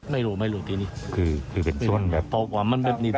ไม่รู้ไม่รู้ที่นี่คือคือเป็นส่วนแบบเพราะว่ามันแบบนี้